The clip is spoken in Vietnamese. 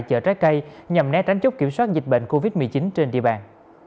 chở trái cây nhằm né tránh chút kiểm soát dịch bệnh covid một mươi chín trên địa bàn